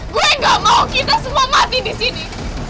gue gak mau kita semua mati disini